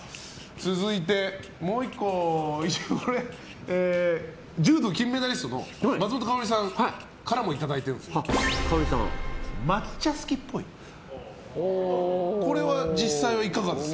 続いて、もう１個柔道金メダリストの松本薫さんからいただいてます。